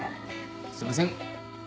すいません。